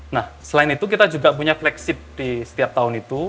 nah selain itu kita juga punya flagship di setiap tahun itu